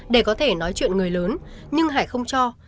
để có thể nói chuyện người lớn nhưng hải không cho